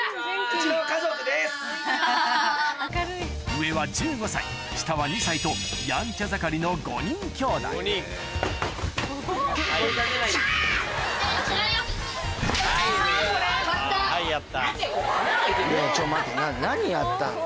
上は１５歳下は２歳とやんちゃ盛りの５人きょうだいちょっと待って何やったの？